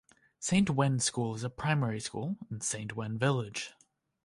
Saint Wenn School is a primary school in Saint Wenn village.